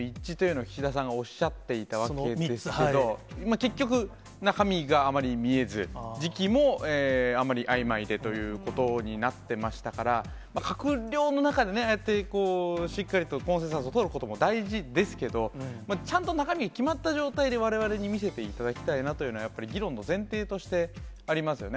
結局、中身があまり見えず、時期もあまりあいまいでということになってましたから、閣僚の中でああやってしっかりとコンセンサスを取ることも大事ですけれども、ちゃんと中身が決まった状態で、われわれに見せていただきたいなというのは、やっぱり議論の前提としてありますよね。